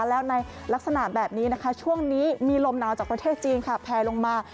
แล้วในลักษณะแบบนี้นะคะช่วงนี้มีลมหนาวจากประเทศจีนค่ะแพลลงมา